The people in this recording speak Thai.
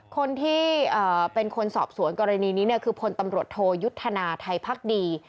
คนที่เป็นคนสอบสวนกรณีนี้คือพลตำรวจโทยุทธนาไทยพักดี